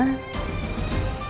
kalau mama datang ke sana